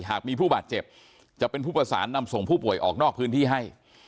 หากมีผู้บาดเจ็บจะเป็นผู้ประสานนำส่งผู้ป่วยออกนอกพื้นที่ให้